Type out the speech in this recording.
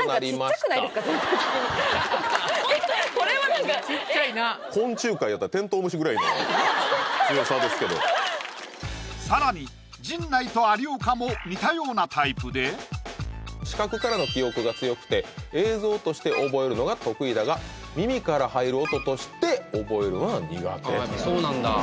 全体的にえっこれは何か更に陣内と有岡も似たようなタイプで視覚からの記憶が強くて映像として覚えるのが得意だが耳から入る音として覚えるのは苦手あそうなんだ